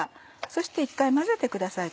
そして一回混ぜてください